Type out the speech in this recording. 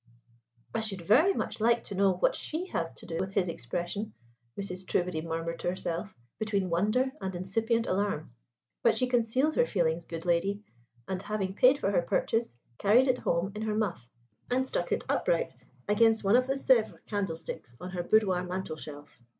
'" "I should very much like to know what she has to do with his expression," Mrs. Trewbody murmured to herself, between wonder and incipient alarm. But she concealed her feelings, good lady; and, having paid for her purchase, carried it home in her muff and stuck it upright against one of the Sevres candlesticks on her boudoir mantel shelf.